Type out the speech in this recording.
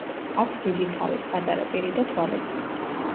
აქვს დიდი თავი, პატარა პირი და თვალები.